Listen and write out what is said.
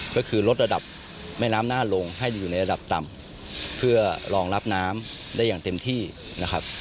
ก็คือลดระดับแม่น้ำน่าลงให้อยู่ในระดับต่ำเพื่อรองรับน้ำได้อย่างเต็มที่นะครับ